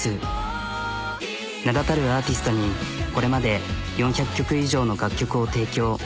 ＢＴＳ名だたるアーティストにこれまで４００曲以上の楽曲を提供。